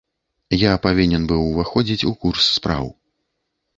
Я павінен быў уваходзіць у курс спраў.